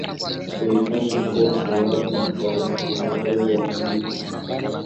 Huifanya kuwa salama kwa safari za miguu